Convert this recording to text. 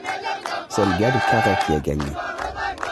C’est le gars de Carhaix qui a gagné.